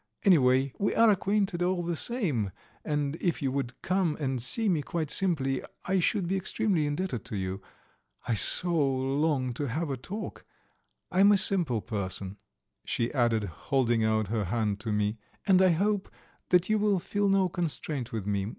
Anyway, we are acquainted all the same, and if you would come and see me quite simply I should be extremely indebted to you. I so long to have a talk. I am a simple person," she added, holding out her hand to me, "and I hope that you will feel no constraint with me.